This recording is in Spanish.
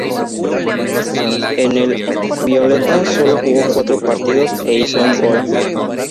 En ""el violeta"" solo jugó cuatro partidos e hizo un gol.